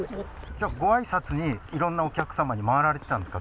じゃあ、ごあいさつにいろんなお客様に回られてたんですか？